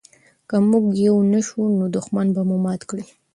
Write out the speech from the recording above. که موږ یو نه شو نو دښمن به مو مات کړي.